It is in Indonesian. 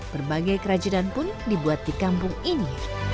berbagai kerajinan pun dibuat di kampung ini